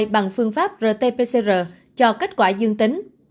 bằng phương pháp rt pcr cho kết quả dương tính